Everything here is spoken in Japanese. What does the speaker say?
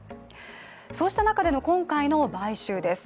そうした中での今回の買収です。